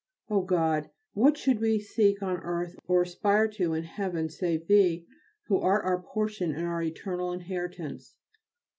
Oh God! what should we seek on earth or aspire to in heaven save Thee who art our portion and our eternal inheritance?